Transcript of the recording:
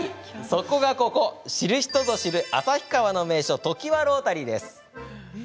それが、ここ知る人ぞ知る旭川の名所常盤ロータリーです。